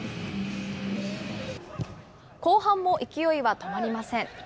後半も勢いは止まりません。